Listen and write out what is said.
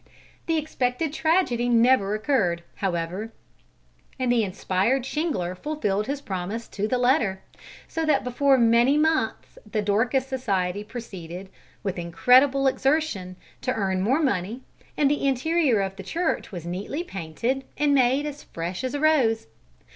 The expected tragedy never occurred, however, and the inspired shingler fulfilled his promise to the letter, so that before many months the Dorcas Society proceeded, with incredible exertion, to earn more money, and the interior of the church was neatly painted and made as fresh as a rose.